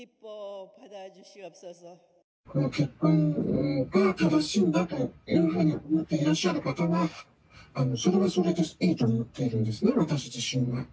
この結婚が正しいんだというふうに思っていらっしゃる方は、それはそれでいいと思ってるんですね、私自身が。